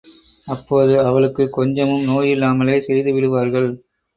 அப்போது அவளுக்குக் கொஞ்சமும் நோயில்லாமலே செய்துவிடுவார்கள்.